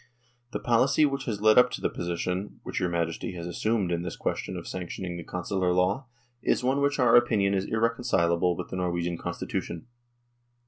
" The policy which has led up to the position which your Majesty has assumed in this question of sane 110 NORWAY AND THE UNION WITH SWEDEN tioning the Consular law is one which in our opinion is irreconcilable with the Norwegian Constitution.